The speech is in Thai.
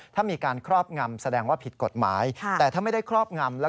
กรณีนี้ทางด้านของประธานกรกฎาได้ออกมาพูดแล้ว